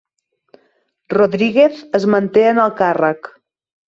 Rodríguez es manté en el càrrec